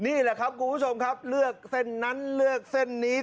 นี่แหละครับคุณผู้ชมครับเลือกเส้นนั้นเลือกเส้นนี้